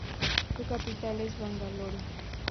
Su capital es Bangalore.